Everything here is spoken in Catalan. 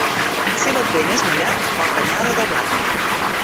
Si l'advent és mullat, poca anyada de blat.